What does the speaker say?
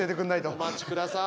お待ちください。